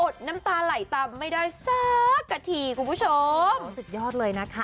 น้ำตาไหลตามไม่ได้สักกะทีคุณผู้ชมสุดยอดเลยนะคะ